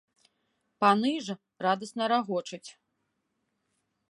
Паны ж радасна рагочуць.